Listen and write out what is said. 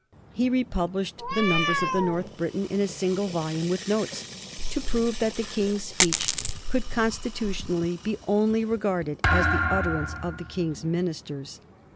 He republished the numbers of the North Briton in a single volume with notes, to prove that the King's speech could constitutionally be only regarded as the utterance of the King's ministers.